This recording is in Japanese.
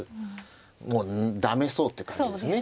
もう駄目そうって感じですね。